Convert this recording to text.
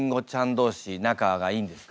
同士仲がいいんですか？